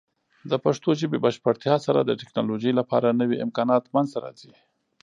د پښتو ژبې بشپړتیا سره، د ټیکنالوجۍ لپاره نوې امکانات منځته راځي.